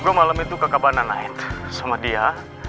gue malam itu kekabanan lain sama dia